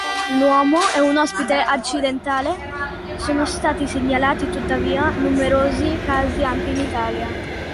L'uomo è un ospite accidentale; sono stati segnalati tuttavia numerosi casi anche in Italia.